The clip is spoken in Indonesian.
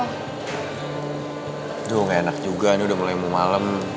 aduh gak enak juga nih udah mulai mau malem